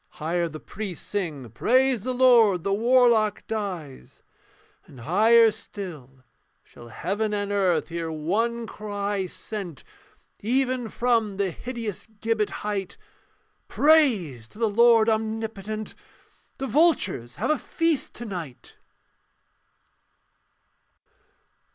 Higher the priests sing, 'Praise the Lord, The warlock dies'; and higher still Shall heaven and earth hear one cry sent Even from the hideous gibbet height, 'Praise to the Lord Omnipotent, The vultures have a feast to night.'